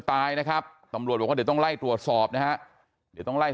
ตายนะครับตำรวจบอกว่าเดี๋ยวต้องไล่ตรวจสอบนะฮะเดี๋ยวต้องไล่